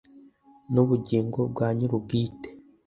Nubugingo bwa nyir ubwite